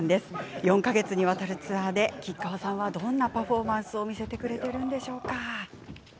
４か月にわたるツアーで吉川さんはどんなパフォーマンスを見せてくれるのでしょう？